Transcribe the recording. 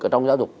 ở trong giáo dục